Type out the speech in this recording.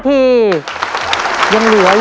คุณฝนจากชายบรรยาย